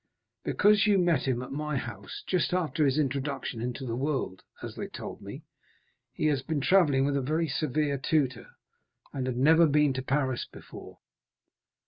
"Because you met him at my house, just after his introduction into the world, as they told me. He has been travelling with a very severe tutor, and had never been to Paris before."